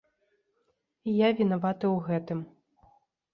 І я вінаваты ў гэтым.